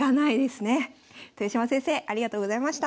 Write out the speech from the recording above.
豊島先生ありがとうございました。